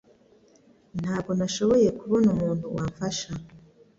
Ntabwo nashoboye kubona umuntu wamfasha.